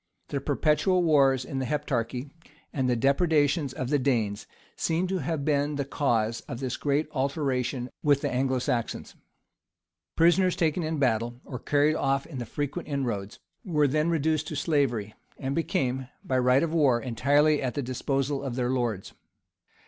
The perpetual wars in the Heptarchy, and the depredations of the Danes, seem to have been the cause of this great alteration with the Anglo Saxons. Prisoners taken in battle, or carried off in the frequent inroads, were then reduced to slavery, and became, by right of war,[] entirely at the disposal of their lords.